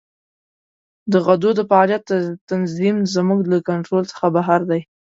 د غدو د فعالیت تنظیم زموږ له کنترول څخه بهر دی.